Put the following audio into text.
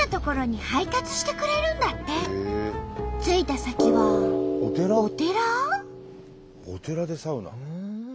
着いた先はお寺でサウナ？